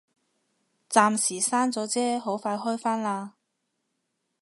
暫時閂咗啫，好快開返啦